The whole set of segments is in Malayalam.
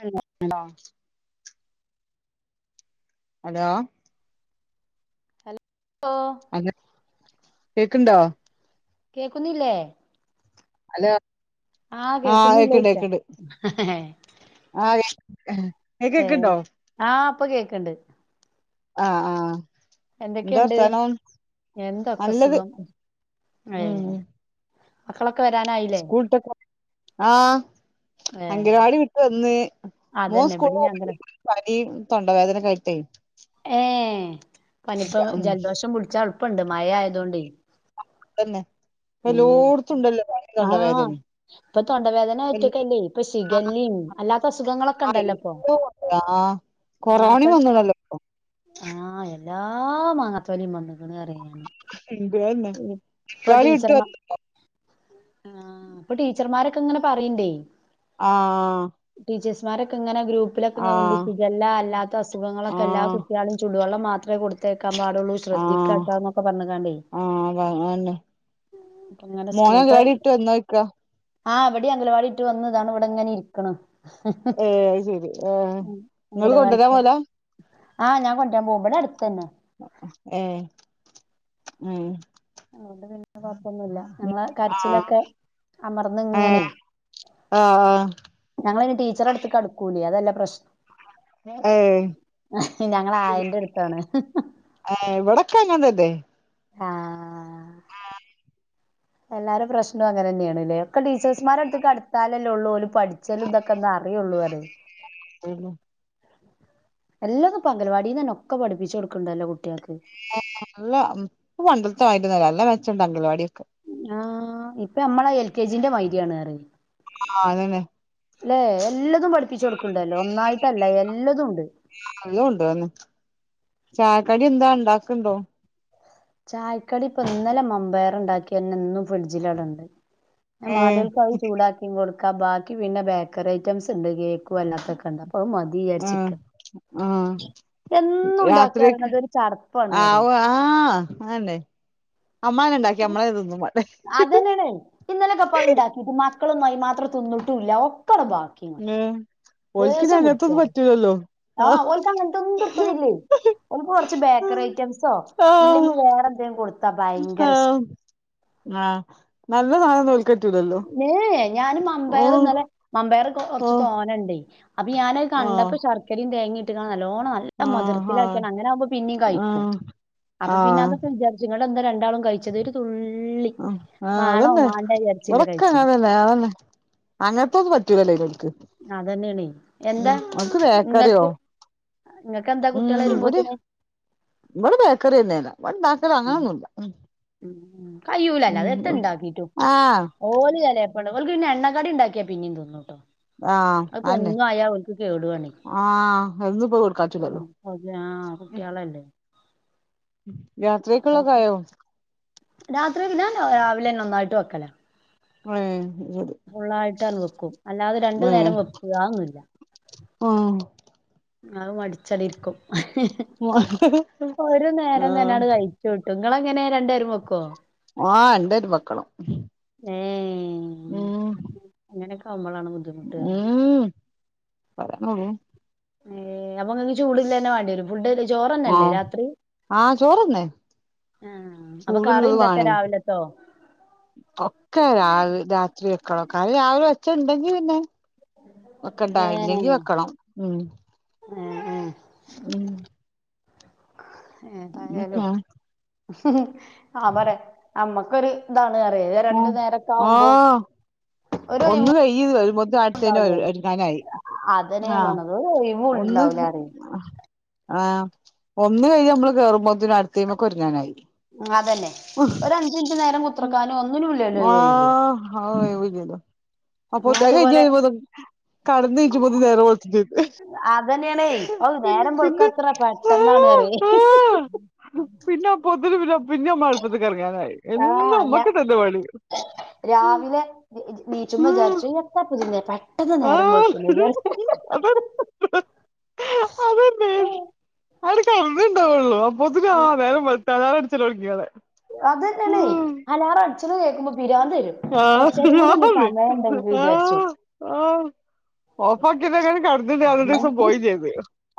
Hello hello hello hello hello കേക്ണ്ടോ കേക്കുന്നില്ലേ ഹലോ ആഹ് കേക്കുന്നില്ലായ്ച്ച ആ കേക് ഇങ്ങക്കെക്ക്ണ്ടോ ആഹ് പ്പ കേക്ണ്ട് ആഹ ആഹ എന്താ എന്തൊക്കെയുണ്ട് വർത്താനം എന്തൊക്കെ നല്ലത് സുഖം ഏ ഉം മക്കളൊക്കെ വരാനായി സ്കൂളട്ടൊക്കെ ആഹ ഏ അംഗനവാടി വിട്ട് വന്ന് മോൻ അതന്നെ സ്കൂള പോ ഇബടിം അങ്ങനെ പനിയും തൊണ്ടവേദനയൊക്കെ ആയിട്ടെ ഏ പനിപ്പ ഉം ജലദോഷം പിടിച്ച എളുപ്പമുണ്ട് മയ ആയതൊണ്ട് അതന്നെ പ്പ എല്ലാടത്തും ഉണ്ടല്ലോ പനിയും ആഹ് തൊണ്ടവേദനയും ഇപ്പൊ തൊണ്ടവേദന എല്ല ഒറ്റക്കല്ലേ ഇപ്പൊ ആ ശിഖല്ലിം അല്ലാത്ത അസുഖങ്ങളൊക്കെ ആ ഉണ്ടല്ലോ ഇപ്പൊ എല്ലാതുണ്ട് ആ കൊറോണി വന്നണല്ലോ ആഹ എല്ലാ മാങ്ങത്തോലിയും വന്ന്ക്കണ് അറിയ അതന്നെ ബംഗാളി ഇട്ടു വ ആ ഇപ്പൊ ടീച്ചർമാരൊക്കെ ഇങ്ങനെ പറയണ്ടേ ആഹ് ടീച്ചേഴസ്മാരൊക്കെ ഇങ്ങനെ ഗ്രൂപ്പിലൊക്കെ ആഹ് കൊണ്ടില്ലാ അല്ലാത്ത അസുഖങ്ങളൊക്കെ എല്ലാ ആഹ് കുട്ടി എല്ലാരും ചടുവെള്ളം മാത്രമേ കൊടുത്തേക്കാ പാടുള്ളൂ ആഹ് ശ്രദ്ധിക്കാട്ടാന്നൊക്കെ പറഞ്ഞ കാണ്ടേ ആഹ് അതന്നെ അങ്ങനെ മോന സ്കൂൾ ത്തെ അങ്കലാടി ഇട്ട് വന്നോയ്ക്കാ ആഹ് ഇവിടെ അംഗനവാടി ട്ട് വന്നു ദാണ്ടേ ഇവിടെ ഇങ്ങനെ ഇരിക്കണ് ഏ അത് ശരി ഏ നിങ്ങള് അംഗനവാടി കൊണ്ടുവരാൻ പോലാ ആഹ ഞാൻ കൊണ്ടരാൻ പോവും ഇവിടെ അടുത്തന്നെ ഏ ഉം അതുകൊണ്ട് പിന്നെ കൊഴപ്പൊന്നുല്ല ഞങ്ങള് ആ കരച്ചിലൊക്കെ അമർന്ന് ഇങ്ങനെ ആഹ് ആ ഞങ്ങള ഇനി ടീച്ചർടുത്ത്ടു കൂല്ല അതല്ല പ്രശ്നം ഏ ഞങ്ങള് ആയന്റെ അടുത്താണ് ഹേ ഇവിടൊക്കെ അങ്ങനതെ ആഹ എല്ലാര പ്രശ്നവും അങ്ങനെ തന്നെയാണല്ലേ ഒക്കെ ടീച്ചേഴ്സ്മാരെ അടുത്താലല്ലേ ഉള്ളൂ ഓല് പഠി ച്ചതും ഇതൊക്കെന്ന് അറിയെള്ളൂ പറ [unintelligible] എല്ലത് ഇപ്പം അങ്കൽവാടീന്നന്നെ ഒക്കെ പഠിപ്പിച്ച് കൊടുക്ണ്ടല്ലോ കുട്ട്യേക്ക് ല്ല പ്പ പണ്ടത്ത മായിരുന്നല്ല അല്ല മെച്ചണ്ട് അംഗൽവാടിയൊക്കെ ആഹ് ഇപ്പൊ നമ്മള എൽ കെ ജിന്റെ മായിര്യാണ് അറി ആഹ് അതന്നെ ല്ലെ എല്ലതും പഠിപ്പിച്ചു കൊടുക്കണ്ടല്ലോ ഒന്നായിട്ടല്ല എല്ലതുണ്ട് അല്ലുണ്ടെന്നെ ചായക്കടി എന്താ ണ്ടാക്ണ്ടോ ചായക്കടി ഇപ്പൊ ഇന്നലെ മമ്പയർ ഉണ്ടാക്കിന്നെ ഇന്നും ഫ്രിഡ്ജിലടെണ്ട് പിന്നെ ഏ മാണ്ട്യോൽക്ക് അത് ചൂടാക്കി കൊടുക്കാം ബാക്കി പിന്നെ ബേക്കറി ഐറ്റംസ് ഉണ്ട് കേ വല്ലാത്തൊക്കെണ്ട് അപ്പൊ അഹ് മതി ആ ചാരിച്ചിക്ക ആ എന്നുണ്ടാക്കാർഞത് ഒരു ചടപ്പാണ് അറി ആഹ് ആന്നെ അമ്മളെന്നെണ്ടാക്കി അമ്മളെന്നെ തിന്നും മാണ്ടേ അതന്നെണ് ഇന്നലെ കപ്പഹ് ണ്ടാക്കിട്ട് മക്കളൊന്നും അയി മാത്രം തിന്നിട്ടുല്ല ഒക്കട ബാക്കി ഇങ്ങോട്ട് ഉം ഓൽക്ക് ദേഷ്യം അങ്ങൻത്തോന്നും പിടിച്ചാണ് പറ്റൂലല്ലോ ആഹ് ഓൽക്ക് അങ്ങൻത്തോന്നും തിർപ്തില്ലേ ഓൻക്ക് കൊറച്ച് ആ ബേക്കറി ഐറ്റംസോ ആഹ് ഇല്ലെങ്കി വേറെ എന്തേം കൊടുത്താ ഭയങ്കര ഇഷ് ആഹ് ആഹ് നല്ല സാനം ന്നോൽക്കറ്റുലല്ലോ ന് ഞാന് മമ്പയർ ഇന്നലെ ല്ലെ മമ്പയർകൊ കൊറച്ച് ഓഹ് തോനണ്ടേ അപ്പി ഞാനഹ് ആഹ് കണ്ടപ്പോ ശർക്കരയും തേങ്ങിയി റ്റ്ങ്ങനല്ലോണം നല്ല ആഹ് മതിർത്തിലാക്ക അങ്ങനാവുമ്പ പിന്നിം കഴിക്കും ആഹ് അപ്പൊ പിന്നെ ആഹ് അതൊക്കെ വിച ഇറ്റ് ങ്ങളെന്താ രണ്ടാളും കഴിച്ചത് ഒരു തുള്ളി ആഹ് ആഹ് മാണോ അതന്നെ മാണ്ടെ വിയാരി ഇവടൊക്കെ അങ്ങൻതെന്നേ ആഹ് അങ്ങൻത്തൊന്നും പറ്റൂലല്ലോൽക്ക് അതന്നെയാണേ ഉം എന്താ ഓൽക്ക് ബേക്കറ്യോ ഇങ്ങക്കെന്താ കുട്ട്യേൾ വര്മ്പോത്തിന് ഇബടെ ബേക്കറി തന്നെള്ളെ ബടെ ണ്ടാക്കല് ഉം അങ്ങനൊന്നുല്ല ഉം കയ്യൂലന്നെ എത്ത് ണ്ടാക്കീറ്റും ആഹ് ഓല് ചെലേപ്പൾ ഓല്ക്ക് പിന്നെ എണ്ണക്കാടിണ്ടാക്കിയാ പിന്നീം തിന്നൂട്ടോ ആഹ് അഹ് അന്നെ പ്പെന്നു ആയാ ഓല്ക്ക് കേടു ആണെയ് ആഹ് എന്നുംപ്പോ കൊടുക്കാറ്റൂലല്ലോ അതെ ആഹ് കുട്ട്യേളല്ലേ രാത്രിയേക്ക്‌ള്ളോക്കായോ രാത്രിയേക്ക് ഞാൻ രാവിലെന്നെ ഒന്നായിട്ട് വെക്കലാ [unintelligible] ഫുള്ളായിട്ടട് വെക്കും അല്ലാതെ രണ്ട് നേരം വെപ്പ്‌ അഒന്നുല്ല ഓഹ് അഹ് മടിച്ചടി ഇരിക്കും ആഹ് ഒരു നേരം തന്നെട് കഴ ചൂട്ടു ങ്ങളെങ്ങനെ രണ്ടേരും ആഹ് രണ്ടേരം വെക്കണം ഏഹ് ഉം അങ്ങനൊക്കാവുമ്പളാണ് ബു ഏഹ് [unintelligible] ഏഹ് അപ്പൊ ങ്ങക്ക് ചൂട്ള്ളന്നെ വാണ്ടിവരും ഫുഡ് ചോറന്നെല്ലേ ആഹ് രാത്രി ആഹ് ചോറന്നെ ആഹ് അപ്പൊ കറി ചൂടുള്ളത് ന്താക്ക രാവിലത്തോ ഒക്ക രാ രാ ത്രി വെക്കണം കറി രാവിലെ വെച്ച ണ്ടെങ്കി പിന്നെ വെക്കണ്ട ഏഹ് ഇല്ലെങ്കി വെക്കണം ഉം ഏഹ് ഏഹ് ഉം ഏതായാലും അങ്ങനൊക്കെയാണ് ഞാൻ പറ നമ്മക്കൊരു താണ് റിയേ രണ്ടു ആഹ് നേരക്കാവുമ്പോ ഒന്നു കയ്യ് വെരുമ്പോത്തിന് അട്ത്തേനേ ഒര്ങ്ങാനായി അതന്നെ ഞാൻ പർഞ്ഞത് ഒരൊയ്വുണ്ടാവൂല പറ്യ ആഹ് ഒന്ന് കയ്ഞ്ഞ് നമ്മള് കേറുമ്പോതിന അട്ത്തീമ്മക്കൊര്ങ്ങാനായി അതന്നെ ഒരഞ്ച്റ്റ് നേരം കു ഉം ആഹ് ഒയിവില്ലല്ലോ ഞാൻ അപ്പൊത് അതുപോലെ കയ്ഞ്ഞെരുമ്പോത് കടന്നീച്ചുമ്പോത്തിന് നേരെ വെള്ത്ട്ടെയ്ക്ക് അതന്നെണേയ് ഓ നേരം ബെൾക്കാത്ര ആ പെട്ടെന്നാണ് പറയെ ആ പിന്നെ അപ്പോത്തിന് പിന്ന പിന്നെമ്മളട്പ്പത്ത്ക്ക് എറങ്ങാനായി എന്നും ആഹ് ഞാൻ അമ്മക്ക തന്നെ പണി ഉം, രാവിലെ നീച്ചുമ്പ ഉം, വിചാർച്ചു [unintelligible] അത അതന്നെ ആരു കമ്മിണ്ടാവുള്ളു പുതിന നേരം വെളുത്തല അത് [unintelligible] തൊടങ്ങി അല്ലെ അതന്നെണേയ് അലാറം അടിച്ച്ണെ കേക്കുമ്പോ പിരാന്ത്‌ വരും [unintelligible] കുറച്ചേരം കൂടി ഒന്ന് ആഹ് സമയം ഉണ്ടെങ്കി വിചാരിച്ചു ഓഫാക്കീറ്റെങ്ങാനും കട് [unintelligible] അന്നത്തീസം പോയി ചെയ്ത്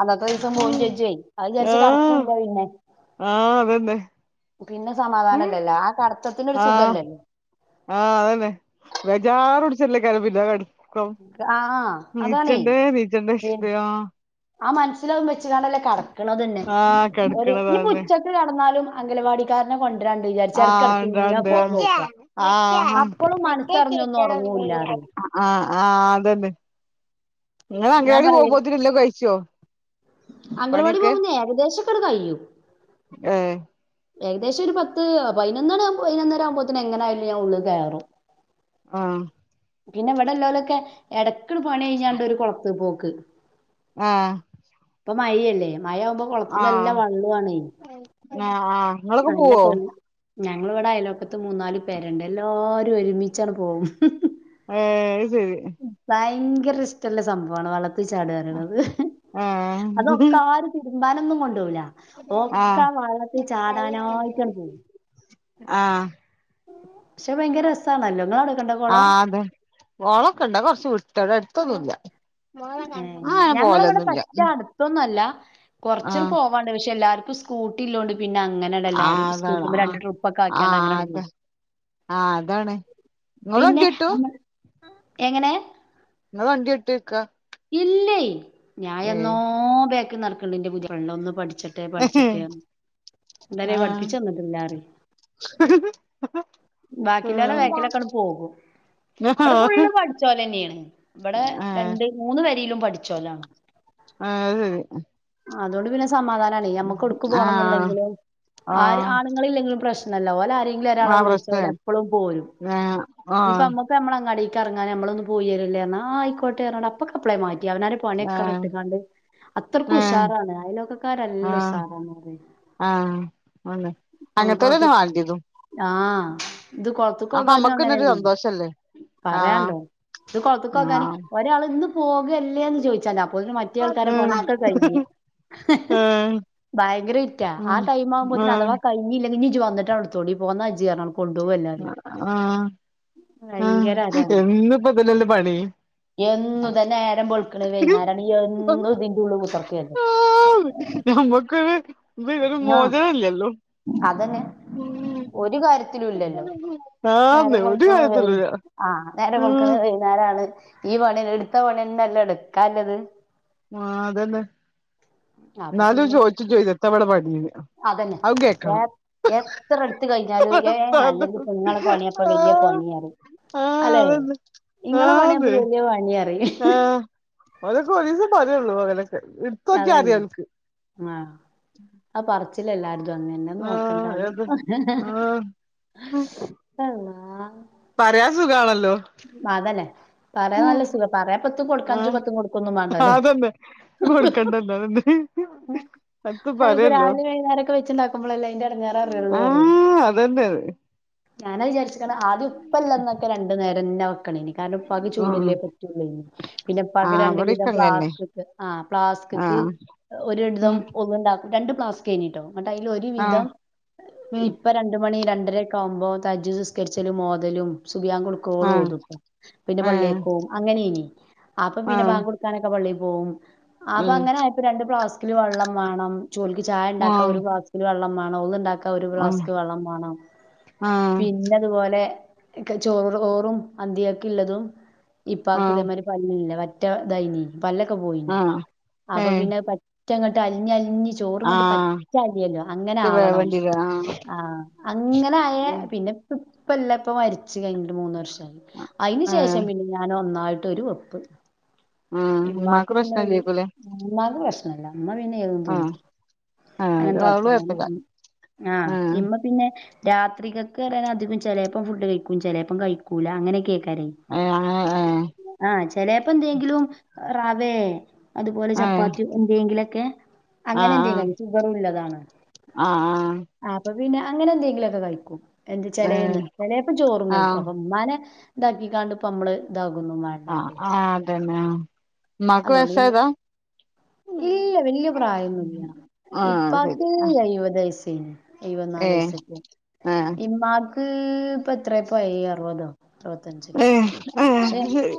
അന്നത്തെ ദിവസം പോവും ഉം ചെജ്ജുവേ അത് വിചാരിച്ച് ആഹ് കടക്കൂല്ല പിന്നെ ആഹ് അതെന്നെ പിന്നെ സമാധാനല്ലല്ല ആ കടത്തത്തിനൊരു സുഖല്ലേ ആഹ് അതന്നെ വേജാറ് പിടിച്ചല്ലേ [unintelligible] പിന്നെ കട് ക്രൊ ആ ആ അതാണേ നീചണ്ടേ നീചണ്ട പിൻ [unintelligible] ആ മൻസ്സിലത് വെച്ച്ങ്ങാണ്ടല്ലേ കടക്കണതന്നെ ആഹ് ഓര് നിപ്പോ കെടക്കണതാണ് ഉച്ചക്ക് കട്ന്നാലും അംഗലവാടി ക്കാര്നെ കൊണ്ടരാണ്ട് വിചാരിച്ച ആഹ് എടക്കെടക്ക്ങ്ങനെ ഇണ്ടാണ്ട് ഫോണ് ആഹ് നോക്ക അപ്പളും മൻ സറിഞ്ഞൊന്നു ഉറങ്ങൂല്ലാതെ ആഹ് ആഹ് അതന്നെ ഇങ്ങള് ഞാൻ അഗവാടി പോവുപോത്തിന് എല്ലൊം കഴിച്ചോ അംഗൽവാടി പണിയൊക്കെ പോകുമ്ന്നെ ഏകദേശൊക്കണ് കഴിയും ഏഹ് ഏകദേശൊര് പത്ത് പതിനൊന്നണി പതിനൊന്നര ആകുമ്പോത്തിന് എങ്ങനായാലും ഞാൻ ഉള്ള് കെറും ആഹ് പിന്നെ ഇവടെല്ലോലൊക്കെ എടക്ക്ണ് പണി കഴിഞ്ഞാണ്ടൊര് കൊളത്ത് പോക്ക് ആഹ് ഇപ്പ മയല്ലേ മഴ ആമ്പോ ആഹ് കൊളത്തിലെല്ലാം വള്ളോഅണെയ് ആഹ് ആഹ് ഇങ്ങളൊക്കെ നല്ല പോവോ തെളി ഞങ്ങള് ഇവടെ അയലോക്കത്ത് മൂന്നാല് പെരണ്ട് എല്ലാരും ഒരുമിച്ചണ് പോവും ഏഹ് അയ്ശെരി ഭയങ്കര ഇഷ്റ്റള്ള സംഭവാണ് വള്ളത്തി ചാടാറേണത് ആഹ് അതൊക്കെ ആര് തിര്മ്പാനൊന്നും കൊണ്ടോവൂല ആഹ് ഒക്കാ വള്ളത്തി ചാടാനായ്റ്റണ് പോവും ആഹ് പക്ഷെ ഭയങ്കര രസാണല്ലോ ങ്ങളവടെ ആഹ് അതെ കോളൊക്കെണ്ട് അത് കൊർച്ച് വ്ട്ടാട അട്ത്തൊന്നുല്ല ഏഹ് ഞങ്ങളവിടെ പറ്റ അട് ത്തൊന്നല്ല കൊർച്ച്ണ് ആഹ് പോവാണ്ട് പക്ഷെ എല്ലാർക്കും സ്കൂട്ടി ഇല്ലോണ്ട് പിന്നെ ആഹ് അങ്ങനെണെല്ലാരും അതാണ് സ്കൂട്ടിമ്മെ ആഹ് രണ്ട് ട്രിപ്പൊക്കാക്ക്യാണ്ട് ആഹ് അങ്ങനണ്ട് അതെ പോവും. ആഹ് അതാണ് ങ്ങള് വണ്ട്യോട്ടു എങ്ങനേ? ങ്ങള് വണ്ട്യോട്ടോയ്ക്കാ? ഇല്ല ഞായെന്നോ ബേക്കിൽ നടക്ക്ണ്ട് ന്റെ പുത്യാഫ്രണ്ട് ഒന്ന് പഠിച്ചേ പഠിച്ചട്ടെ ന്നരേ ആഹ് പഠിപ്പിച്ചന്ന്ട്ടില്ലാല്ലാറെയ് ബാക്കില്ലോലെ ബേക്കിലൊക്കെണ്ട് പോകും. ആഹ് ഇബടെ ഫുള്ള് പഠിച്ചോലെന്നേണ് ബടെ ആഹ് രണ്ട് മൂന്ന് പെരീലും പഠിച്ചോലാണ്. ആയ്ശരി. അതോണ്ട് പിന്നെ സമാധാനാണെയ് ഞമ്മക്ക് എവ്ട്ക്ക് ആഹ് പോണെങ്കിലും ആര് ആഹ് ആണ്ങ്ങളില്ലെങ്കിലും പ്രശ് ന്നല്ലോഓലെ ആരേങ്കിലും ഒരാളെ ആ വിളിച്ച പ്രശ്ന ഓലെപ്പളും പോരും ആഹ് ആഹ് ഞ്ഞിപ്പമ്മ പ്പമ്മള ങ്ങാടീക്കെറങ്ങാ ഞമ്മളൊന്ന് പോയി വെരല്ലേറഞ്ഞാ ആ ഐക്കോട്ടെറഞ്ഞ് അ അപ്പ്ളേ മാറ്റി അവനാന്റെ പണ്യോക്കെ ആഹ് അവടെട്ട്ങ്ങാണ്ട് അത്രക്കൂ ആഹ് ഷാറാണ് അയലോക്കക്കാരല്ല ഉഷാറാണറേയ് ആഹ്. ആന്ന് അങ്ങൻ കൊളത്ത് തന്നല്ലേവാണ്ട്യേതും. ആഹ് ത് കൊ [unintelligible] കൊളത്ത്ക്കോകാനും അമ്മക്കന്നൊരു അങ്ങനെന്നെ സന്തോഷല്ലേ ആഹ് പറയാണ്ടോ ഇത് [unintelligible] കൊളത്ത്ക്കോകാനും- ആഹ് ഒരാള് ന്ന് പോകല്ലേന്ന് ചോയ്ച്ചാതിഅ അപ്പോത്തിന് മറ്റേ ആൾക്കാരെ ആഹ് പണ്യോക്കെ കൈഞ്ഞ് ആഹ് ഭയങ്കര വിറ്റാ ആ ടൈമാവുമ്പോത്തിന് ആഹ് അഥവാ കൈഞ്ഞീലെങ്ങി ഞ്ഞി ജ്ജ് വന്ന്ട്ടണ്ട് ഇട്ത്തോണ്ടി പോന്നാജ്ജ്റീം- ആഹ്. ഭയങ്കര ആഹ് അരാണ് എന്നുപ്പതനല്ലേ പണി അതേ നേരം വെള്ക്ക്ണ് വൈന്നേരാക്ണ് എന്നുതിന്റുള്ള് കുത്തർക്കന്നേ ആന്ന് ഞമ്മക്ക്ത്- വ് ഇതൊരു ആഹ് മോചനല്ലല്ലോ ഉം. ഒര് കാര്യത്തിലൂല്ലല്ലോ നേരം ഒരു വെള്ക്ക്ണ് വെയ് കാര്യത്തിലുല്ല ആഹ് നേരം ഉം വെള്ക്ക്ണ് വെയ് ന്നേരാവാണ് ഈ പണിന്നേ ഇട്ത്ത പണ്യന്നല്ലേ ഇട്ക്കാല്ലത്. ആഹ് അതന്നെ അപ്പൊ എന്നാലും പിന്നെ ചോയ്ച്ചു ചെച്ചും എത്താബടെ പണീന്ന്? അതന്നെ അതും എ കേക്കണം എത്രാ ഇട്ത്ത് കഴിഞ്ഞാലും ഏഹ് അല്ലെങ്കിപ്പ ഇങ്ങളെ പണ്യാപ്പൊ ആ വെല്ല്യേ പണ്യാറീം ആ അല്ലേ അതന്നെ ഇങ്ങളെ പണ്യാപ്പൊ വെല്ല്യേ പണ്യാറീം ആഹ് ഓലൊക്കെ ഒരീസം പറ്യൊള്ളൂ ഓലൊക്കെ- അതെന്നെ ആഹ്. [inaudible] ആ പറ്ച്ചിലെല്ലാര്തൊങ്ങന്നെ ആ നോക്കണ്ടാന്ന് ഏത് ആ അള്ളാഹ്. പറ്യാൻ സുഖാണല്ലോ- അതെന്നെ പറ്യാൻ നല്ല സുഖാ പറ്യാൻപ്പെത്തും കൊട്ക്ക അഞ്ചും പത്തും കൊട്ക്കൊന്നുംമാ ആതന്നെ. കൊട്ക്കണ്ടല്ലോ അതെന്നേ- അയിപ്പോ രാവിലിം വൈന്നാരൊക്കെ വെച്ച്ണ്ടാക്കുമ്പളല്ലേ ആ അയ്ന്റെട്ങ്ങേററ്യൊള്ളൂറിം. അതന്നെ ഞാനാത് വിചാര്ക്ക്ണ ആദ്യം ഉപ്പല്ലന്നൊക്കെ രണ്ട് നേരെന്നെ വെക്കണേനി- കാര്ണം ഉപ്പാക്ക് ഉം ചൂട്ല്ലേ പറ്റൊള്ളേനി. ആ പിന്നെപ്പാക്ക് രണ്ട് ഇവിടെക്കെ വിധം അങ്ങന്നെ പ്ലാസ്ക്ക്ക് ആഹ് ആ പ്ലാസ്ക്ക്ക് ഒര് രണ്ട്ധം ഉം ഒന്ന്ണ്ടാ രണ്ട് പ്ലാസ്ക്കേനിട്ടോ ഇങ്ങട്ട് അയ്ലൊര് ആ വിധം ഇ ഉം ഇപ്പ രണ്ട് മണി രണ്ടെരെക്കാവുമ്പോ തഹജ്ജുദ് നിസ്ക്കര്ച്ചലും ഓതലും സുബ് യാങ്കൊട് ആ ക്കോളോതും പിന്നെ ആഹ് പള്ളീക്കക്കോവും അങ്ങനേനി അപ്പൊ പിന്നെ ആഹ് ബാങ്കൊട് നിസ്കരിക്കാനെക്കെ പള്ളീ പോവും ആഹ് ഉം അപ്പങ്ങനായപ്പോ രണ്ട് പ്ലാസ്ക്കിൽ വെള്ളം മാണം ചോൽക്ക് ചായണ്ടാക്കാൻ ഒര് ആഹ് പ്ലാസ്ക് വെള്ളം മാണം ഒള് ഇണ്ടാക്കാ ഒരു ആഹ് ഫ്ലാസ്ക് വെള്ളം മാണം പിന്നെ ആഹ് പിന്നെ അതുപോലെ ചോറോറും അന്തികക്ക് ഇല്ലെതും ഇപ്പാക്ക് ആഹ് ഇതേമായ്രി പല്ലില്ലാ പറ്റ ഇതായ്നി പല്ലൊക്കെ പോയ്നീ ആഹ് അപ്പൊ ഏഹ് പിന്നെ പറ്റങ്ങട്ട് അലിഞ്ഞ് അൽഞ്ഞ് ചോറ് ഇങ്ങെട്ട് ആഹ് പറ്റെ അലിയല്ലേ അങ്ങനെ ഇത് ആവണം വേവണ്ടില്ലേ ആഹ് ആഹ് അങ്ങനായാ ഉം പിന്നെപ്പം ഇപ്പല്ലാ ഇപ്പ മരിച്ച് കഴിഞ്ഞിട്ട് മൂന്ന് വർഷാ അയ്ന് ആഹ് ശേഷം ആഹ് പിന്നെ ഞാൻ ഒന്നായ്ട്ടൊര് ഒര് വെപ്പ് ഇമ്മാക്ക് ഉമ്മാക്ക് പിന്നെ ഒര് പ്രശ്നല്ലേക്കുലേ ഇമ്മാക്ക് പ്രശ്നം ഇല്ല ഇമ്മ പിന്നെ ഏതും തിന്നും ആഹ് ആഹ് അത് അങ്ങനത്തെ അവള് കെയ്പ്പൊന്നുല്ല കൊഴപ്പല്ല ഉം ആഹ് ഇമ്മ പിന്നെ രാത്രികെക്ക് പറിയാന്. അധികും ചെലേപ്പം ഫുഡ് കഴിക്കും ചെലേപ്പം കഴിക്കൂലാ അങ്ങെനെക്കേയ്ക്കാരേ ഏഹ് അങ്ങെനെ ഏഹ് ആഹ് ചെലേപ്പെന്തേങ്കിലും റവേ അതുപോലെ ഏഹ് ചപ്പാത്ത്യോ എന്തേങ്കിലെക്കെ ആഹ് അങ്ങനെന്തേം ആഹ് കഴ്കും ഷുഗറും ഇല്ലതാണ് ആഹ് ആപ്പം പിന്നെ അങ്ങെനെന്തേങ്കിലൊക്കെ കഴിക്കും എന്ത് ആഹ് ഏഹ് ചെലേന്ന് ചെലേപ്പം ചോറും കഴ് ആഹ് ഇമ്മാനെ ഇതാക്കിക്കാണ്ട് ഇപ്പം നമ്മള് ഇതാകൊന്നും മാ ആഹ് ആഹ് അതെനെ ആ ഇമ്മാക്ക് വയ്സായതാ ഇല്ല്യാ വെല്ല്യ പ്രായൊന്നുല്ല ആഹ് ശരി ഇപ്പാക്ക് എയ് വതെയ്സേനി എഴ് വത്തിനാല് ഏഹ് വയ്സെക്കെയിനി ആഹ് ഇമ്മാക്ക് ഇപ്പെത്രേപ്പെ അറുവതോ അറ് വത്തഞ്ചെക്കേ ഏഹ് പക്ഷേ ഏഹ് ശരി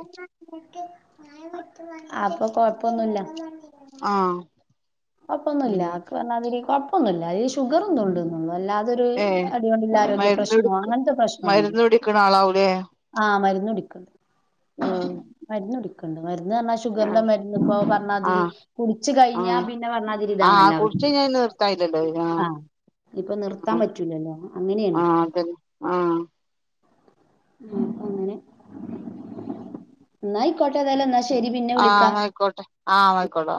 അപ്പൊ കൊഴ്പ്പൊന്നുല്ല ആഹ് ഉം കെയപ്പൊന്നുല്ലാ ക്ക പറ്ഞ്ഞാതിരി കൊഴ്പ്പൊന്നുല്ല ഈ ഷുഗറും ഇതും ഉണ്ട്ന്നൊള്ളൂ അല്ലാതെ തൊര് ഏഹ് അട്യോണ്ട്ല്ലെ ആരോഗ്യ പ്രെശ്നോ അങ്ങെനത്തെ പ്രെശ്നൊന്നുല്ല ക്ക്ണാളാവുലേ ആഹ് മരുന്നു കുടിക്ക്ണ്ട് ആഹ് മരുന്നുടിക്ക്ണ്ട് മര്ന്ന് പറഞ്ഞാ ഷുഗറ്ന്റെ മര്ന്ന് ഇപ്പം പറ്ഞ്ഞാതിരി കുടിച്ച് കഴിഞ്ഞാ ആഹ് പിന്നെ പറ്ഞ്ഞാതിരി ഇതാണല്ലോ അവർക്ക് ത്തയ്ലെല്ലേ വെരാ ഇഞ് ഇപ്പം നിർത്താൻ പറ്റൂലല്ലോ അങ്ങെനേണ് അതെന്നെ ആഹ് ഉം അങ്ങനെ ഇന്നായ്ക്കോട്ടേ എതായാലും എന്നാ ശെ ആഹ് അങ്ങനയ്ക്കോട്ടെ ആഹ് ഇനായ്ക്കോട്ടെ